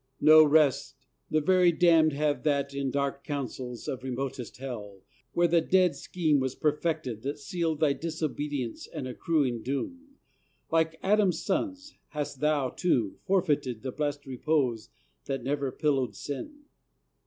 No rest! the very damned have that In the dark councils of remotest Hell, Where the dread scheme was perfected that sealed Thy disobedience and accruing doom. Like Adam's sons, hast thou, too, forfeited The blest repose that never pillowed Sin?